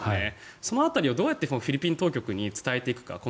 その辺りをどうやってフィリピン当局に伝えていくか。